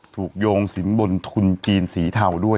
โยงสินบนทุนจีนสีเทาด้วย